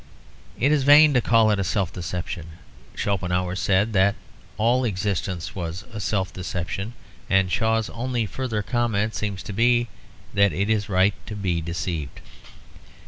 It is vain to call it a self deception; Schopenhauer said that all existence was a self deception; and Shaw's only further comment seems to be that it is right to be deceived.